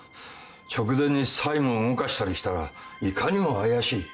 直前に債務を動かしたりしたらいかにも怪しい。